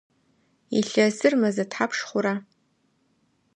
Илъэсыр мэзэ тхьапш хъура?